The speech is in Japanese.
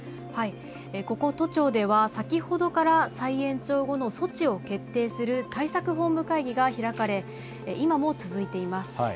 ここ都庁では、先ほどから再延長後の措置を決定する対策本部会議が開かれ今も続いています。